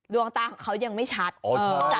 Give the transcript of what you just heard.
ดวงตาของเขายังไม่ชัด